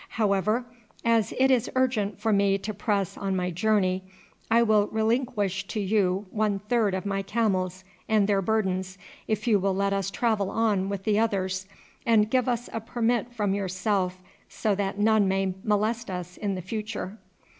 However, as it is urgent for me to press on my journey, I will relinquish to you one third of my camels and their burdens if you will let us travel on with the others, and give us a permit from yourself so that none may molest us in future."